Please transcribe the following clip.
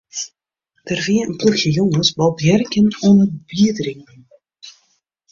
Der wie in ploechje jonges bolbjirken oan it bierdrinken.